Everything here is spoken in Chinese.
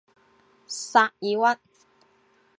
萨尔屈。